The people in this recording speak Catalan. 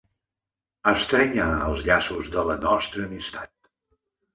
Estrènyer els llaços de la nostra amistat.